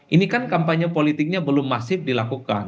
ini kan kampanye politiknya belum masif dilakukan